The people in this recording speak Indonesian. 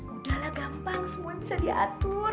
udah lah gampang semuanya bisa diatur